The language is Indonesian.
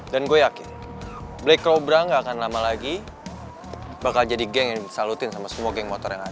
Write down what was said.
dan gue yakin black cobra nggak akan lama lagi bakal jadi geng yang disalutin sama semua geng motor yang ada